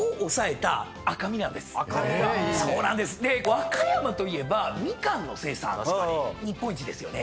和歌山といえばみかんの生産日本一ですよね。